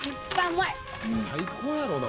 最高やろうな。